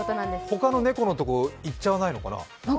ほかの猫のところに行っちゃわないのかな？